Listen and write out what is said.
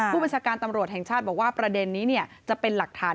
ผู้บัญชาการตำรวจแห่งชาติบอกว่าประเด็นนี้จะเป็นหลักฐาน